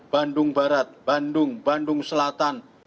bandung barat bandung bandung selatan